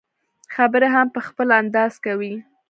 خبرې هم په خپل انداز کوي.